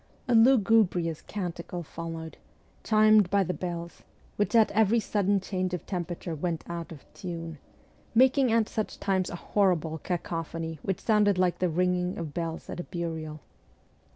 A lugubrious canticle followed, chimed by the bells, which at every sudden change of temperature went out of tune, making at such times a horrible cacophony which sounded like the ringing of v bells at a burial.